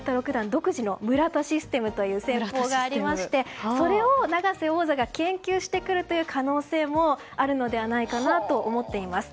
独自の村田システムという戦法がありましてそれを永瀬王座が研究してくる可能性もあるのではないかなと思っています。